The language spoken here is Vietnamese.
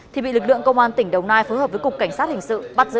thì bị lực lượng công an tỉnh đồng nai phối hợp với cục cảnh sát hình sự bắt giữ